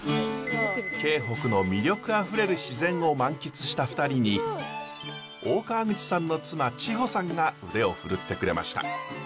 京北の魅力あふれる自然を満喫した２人に大川口さんの妻千穂さんが腕を振るってくれました。